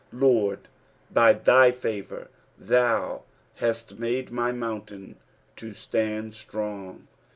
"Lord, hy thy favrar thou hatt made my movntain to ttand stroDfr."